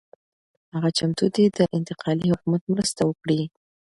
هغه چمتو دی د انتقالي حکومت مرسته وکړي.